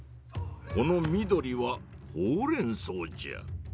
この緑はほうれんそうじゃ。